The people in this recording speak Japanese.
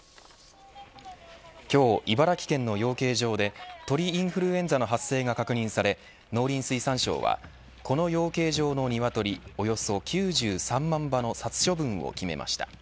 今日、茨城県の養鶏場で鳥インフルエンザが発生が確認され、農林水産省はこの養鶏場のニワトリおよそ９３万羽の殺処分を決めました。